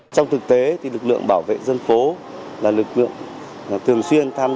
phường mai động quận hoàng mai thành phố hà nội